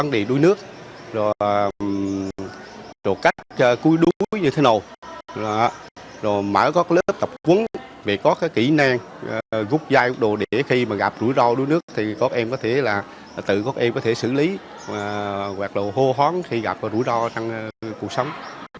để đuối nước rồi cách chơi cuối đuối như thế nào rồi mở các lớp tập quấn về có cái kỹ năng gúc dai gúc đồ để khi mà gặp rủi ro đuối nước thì các em có thể là tự các em có thể xử lý hoặc là hô hoán khi gặp rủi ro trong cuộc sống